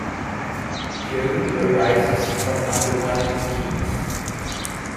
Jerry arises from under one of the keys.